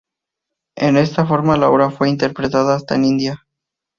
En esta forma, la obra fue interpretada hasta en India.